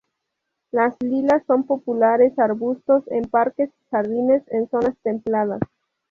Las lilas son populares arbustos en parques y jardines en zonas templadas.